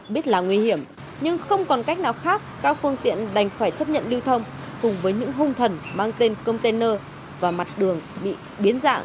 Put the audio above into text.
biết là nguy hiểm nhưng không còn cách nào khác các phương tiện đành phải chấp nhận lưu thông cùng với những hung thần mang tên container và mặt đường bị biến dạng